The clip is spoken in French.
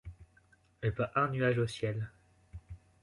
Et pas un nuage au ciel !